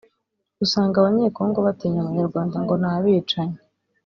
usanga abanyekongo batinya abanyarwanda ngo ni abicanyi